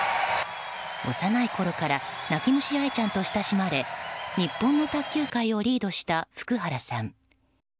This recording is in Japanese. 幼いころから泣き虫愛ちゃんと親しまれ日本の卓球界をリードした福原さん。